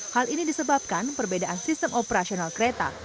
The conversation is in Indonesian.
hal ini disebabkan perbedaan sistem operasional kereta